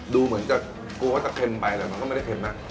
ดูเหมือนจะกลัวแล้วจะเค็มไปมันก็จะไม่เค็มนะ